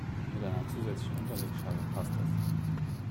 Mit einer zusätzlichen Unterlegscheibe passt es.